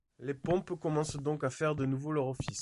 Les pompes commencent donc à faire de nouveau leur office.